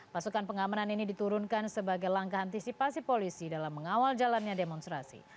pasukan pengamanan ini diturunkan sebagai langkah antisipasi polisi dalam mengawal jalannya demonstrasi